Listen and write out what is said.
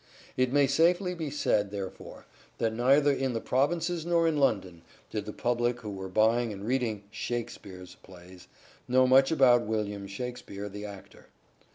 It may safely be said, therefore, that neither in the provinces nor in London did the public who were buying and reading " Shakespeare's " plays know much about William Shakspere the actor.